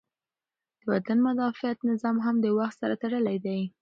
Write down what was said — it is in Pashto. د بدن مدافعت نظام هم د وخت سره تړلی دی.